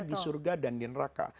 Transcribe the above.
di surga dan di neraka